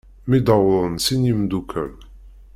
Mi d-wwḍen sin n yimddukal.